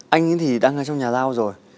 anh thì đang ở trong nhà lao rồi